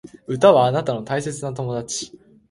歌はあなたの大切な友達